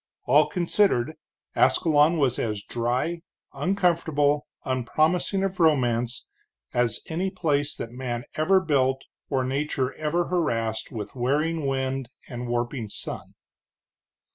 All considered, Ascalon was as dry, uncomfortable, unpromising of romance, as any place that man ever built or nature ever harassed with wearing wind and warping sun.